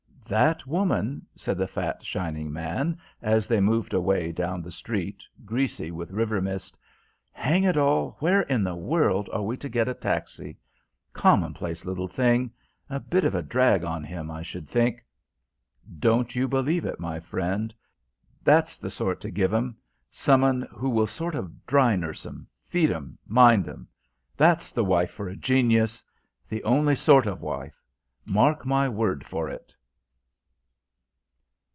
"That woman," said the fat, shining man, as they moved away down the street, greasy with river mist. "Hang it all! where in the world are we to get a taxi? Common place little thing; a bit of a drag on him, I should think." "Don't you believe it, my friend that's the sort to give 'em some'un who will sort of dry nurse 'em feed em mind 'em. That's the wife for a genius. The only sort of wife mark my word for it."